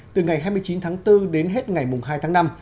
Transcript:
từ ngày hai mươi chín tháng bốn đến hết ngày hai tháng năm